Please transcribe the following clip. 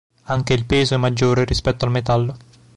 Anche il peso è maggiore rispetto al metallo.